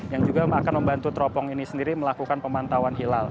yang juga akan membantu teropong ini sendiri melakukan pemantauan hilal